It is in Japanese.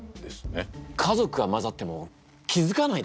家族が交ざっても気付かないだと！？